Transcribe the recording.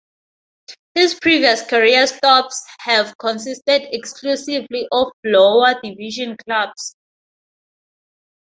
His previous career stops have consisted exclusively of lower division clubs.